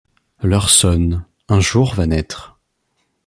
L'heure sonne. Un jour va naître.